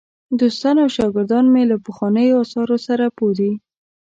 دوستان او شاګردان مې له پخوانیو آثارو سره پوه دي.